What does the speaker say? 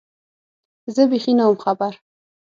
زه بېخي نه وم خبر